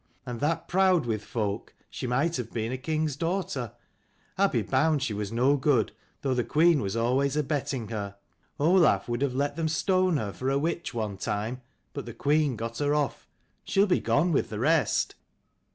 And that proud with folk, she might have been a king's daughter. I'll be bound she was no good, though the queen was always abetting her. Olaf would have let them stone her for a witch, one time, but the queen got her off. She'll be gone with the rest."